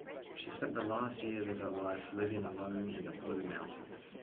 She spent the last years of her life living alone in the Blue Mountains.